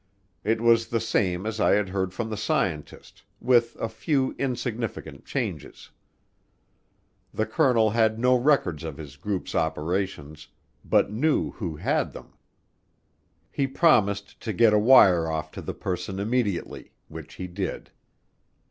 It was the same as I had heard from the scientist, with a few insignificant changes. The colonel had no records of his group's operations, but knew who had them. He promised to get a wire off to the person immediately, which he did.